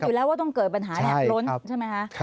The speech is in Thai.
รู้อยู่แล้วว่าต้องเกิดปัญหาแหละล้นใช่ไหมครับ